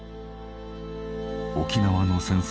沖縄の戦争